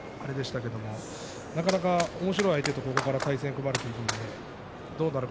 なかなかおもしろいいい相手とこれから対戦が組まれていくのでどうなのか